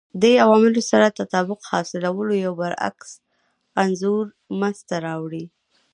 دې عواملو سره تطابق حاصلولو یو برعکس انځور منځته راوړي